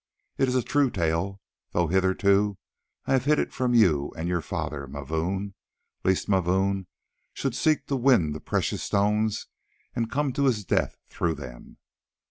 It is a true tale, though hitherto I have hid it from you and your father, Mavoom, lest Mavoom should seek to win the precious stones and come to his death through them.